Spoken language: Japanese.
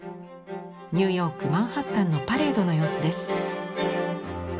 ニューヨークマンハッタンのパレードの様子です。